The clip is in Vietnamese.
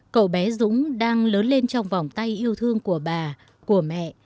cậu bé dũng đang lớn lên trong vòng tay yêu thương của bà của mẹ